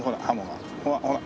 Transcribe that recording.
ほらほら。